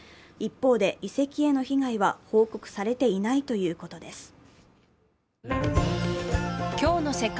一方で遺跡への被害は報告されていないということです。